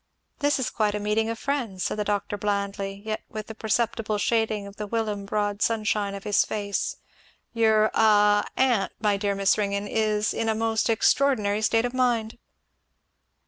"This is quite a meeting of friends," said the doctor blandly, yet with a perceptible shading of the whilome broad sunshine of his face. "Your a aunt, my dear Miss Ringgan, is in a most extraordinary state of mind!"